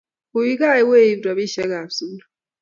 Uii kaa iweiby robishe ab sukul.